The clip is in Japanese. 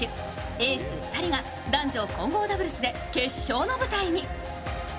エース２人が男女混合ダブルスで決勝の舞台に。